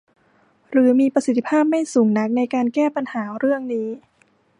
หรือมีประสิทธิภาพไม่สูงนักในการแก้ปัญหาเรื่องนี้